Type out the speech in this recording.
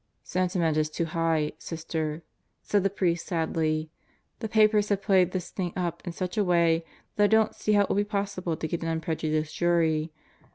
..." "Sentiment is too high, Sister," said the priest sadly. "The papers have played this thing up in such a way that I don't see how it will be possible to get an unprejudiced jury.